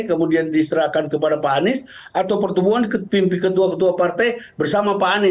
kemudian diserahkan kepada pak anies atau pertemuan pimpinan ketua ketua partai bersama pak anies